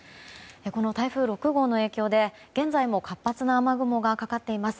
この台風６号の影響で、現在も活発な雨雲がかかっています。